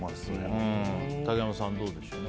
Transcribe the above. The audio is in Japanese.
竹山さん、どうでしょうね。